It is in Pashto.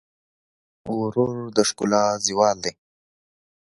غرور د ښکلا زوال دی.